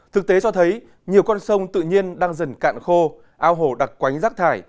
thực tế cho thấy nhiều con sông tự nhiên đang dần cạn khô ao hồ đặc quánh rác thải